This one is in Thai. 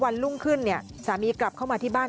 วันรุ่งขึ้นเนี่ยสามีกลับเข้ามาที่บ้าน